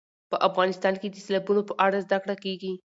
په افغانستان کې د سیلابونو په اړه زده کړه کېږي.